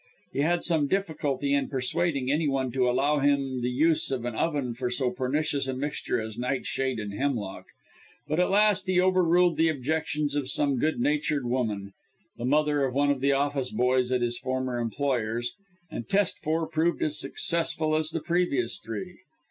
He had some difficulty in persuading any one to allow him the use of an oven for so pernicious a mixture as nightshade and hemlock; but at last he over ruled the objections of some good natured woman the mother of one of the office boys at his former employer's and test four proved as successful as the previous three.